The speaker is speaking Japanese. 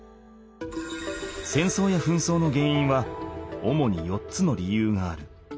戦争や紛争の原因は主に４つの理由がある。